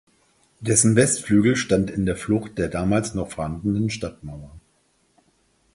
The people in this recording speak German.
Dessen Westflügel stand in der Flucht der damals noch vorhandenen Stadtmauer.